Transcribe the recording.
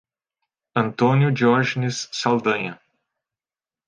Antônio Diogenes Saldanha